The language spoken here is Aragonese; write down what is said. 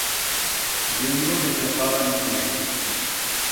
Viengo de chafar la nieu.